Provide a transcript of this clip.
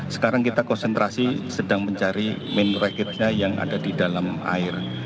sekarang kita konsentrasi sedang mencari main racketnya yang ada di dalam air